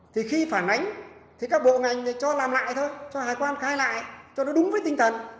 thì khi phản ánh thì các bộ ngành cho làm lại thôi cho hải quan khai lại cho nó đúng với tinh thần